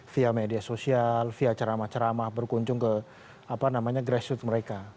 via media sosial via ceramah ceramah berkunjung ke grassroots mereka